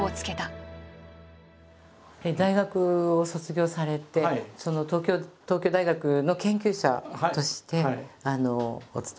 大学を卒業されて東京大学の研究者としてお勤めなさって。